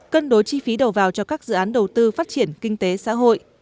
cân đối chi phí đầu vào cho các dự án đầu tư phát triển kinh tế xã hội